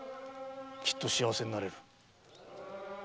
きっと幸せになれる。